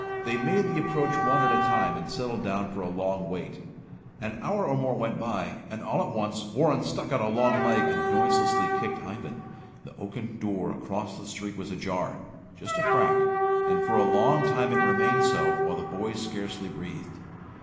They made the approach one at a time, and settled down for a long wait. An hour or more went by, and all at once Warren stuck out a long leg and noiselessly kicked Ivan. The oaken door across the street was ajar. Just a crack, and for a long time it remained so, while the boys scarcely breathed.